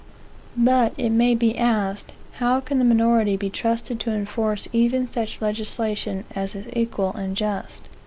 But, it may be asked, how can the minority be trusted to enforce even such legislation as is equal and just?